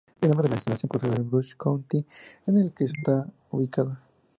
El nombre de la instalación procede de Bruce County en el que está ubicada.